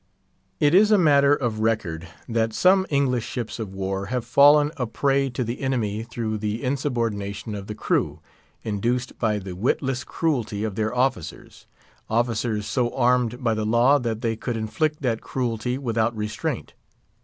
It is a matter of record, that some English ships of war have fallen a prey to the enemy through the insubordination of the crew, induced by the witless cruelty of their officers; officers so armed by the law that they could inflict that cruelty without restraint.